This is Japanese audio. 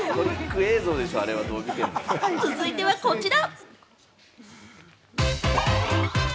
続いてはこちら！